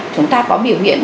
chúng ta có biểu hiện